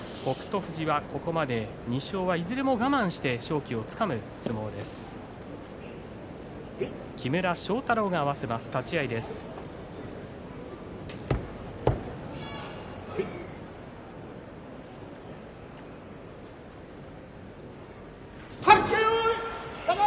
富士はここまで２勝はいずれも我慢して勝機をつかんでいました。